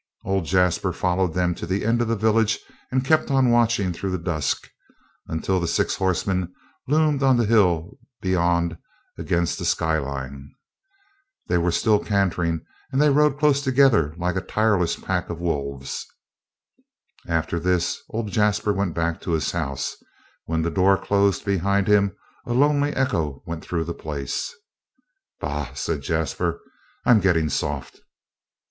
Old Jasper followed them to the end of the village and kept on watching through the dusk until the six horsemen loomed on the hill beyond against the sky line. They were still cantering, and they rode close together like a tireless pack of wolves. After this old Jasper went back to his house, and when the door closed behind him a lonely echo went through the place. "Bah!" said Jasper. "I'm getting soft!"